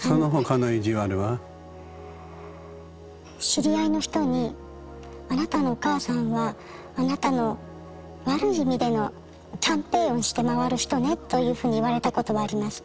知り合いの人に「あなたのお母さんはあなたの悪い意味でのキャンペーンをして回る人ね」というふうに言われたことはあります。